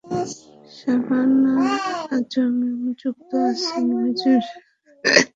শাবানা আজমি যুক্ত আছেন Mijwan welfare society নামের একটি বেসরকারি সংস্থার সঙ্গে।